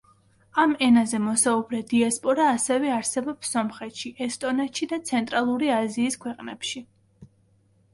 ამ ენაზე მოსაუბრე დიასპორა ასევე არსებობს სომხეთში, ესტონეთში და ცენტრალური აზიის ქვეყნებში.